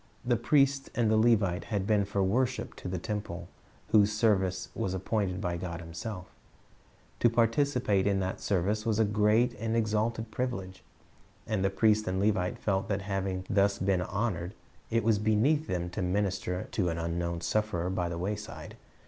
"' The priest and the Levite had been for worship to the temple whose service was appointed by God Himself To participate in that service was a great and exalted privilege, and the priest and Levite felt that having been thus honored, it was beneath them to minister to an unknown sufferer by the wayside.